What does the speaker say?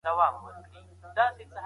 که وخت وي، ورزش کوم.